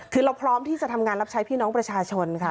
คือเราพร้อมที่จะทำงานรับใช้พี่น้องประชาชนค่ะ